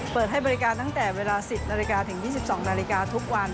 เปิดให้บริการตั้งแต่เวลา๑๐นาฬิกาถึง๒๒นาฬิกาทุกวัน